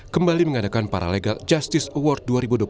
kembali mengadakan paralegal justice award dua ribu dua puluh tiga